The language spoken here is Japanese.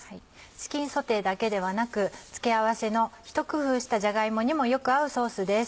チキンソテーだけではなく付け合わせのひと工夫したじゃが芋にもよく合うソースです。